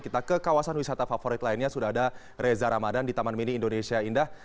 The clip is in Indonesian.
kita ke kawasan wisata favorit lainnya sudah ada reza ramadan di taman mini indonesia indah